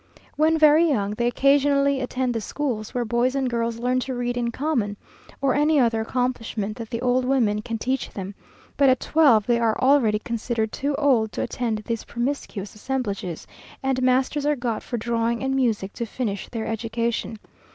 When very young, they occasionally attend the schools, where boys and girls learn to read in common, or any other accomplishment that the old women can teach them; but at twelve they are already considered too old to attend these promiscuous assemblages, and masters are got for drawing and music to finish their education.